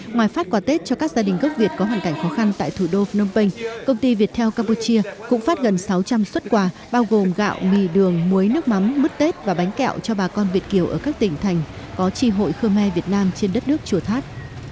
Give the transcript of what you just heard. ngoài phát quà tết cho các gia đình gốc việt có hoàn cảnh khó khăn tại thủ đô phnom penh công ty viettel campuchia cũng phát gần sáu trăm linh xuất quà bao gồm gạo mì đường muối nước mắm mứt tết và bánh kẹo cho bà con việt kiều ở các tỉnh thành có tri hội khơ me việt nam trên đất nước chùa tháp